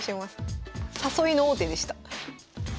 誘いの王手でした。